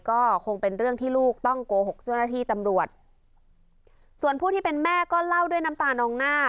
ก็คงเป็นเรื่องที่ลูกต้องโกหกเจ้าหน้าที่ตำรวจส่วนผู้ที่เป็นแม่ก็เล่าด้วยน้ำตานองหน้า